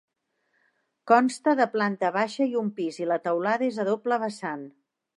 Consta de planta baixa i un pis i la teulada és a doble vessant.